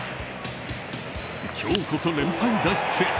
今日こそ連敗脱出へ。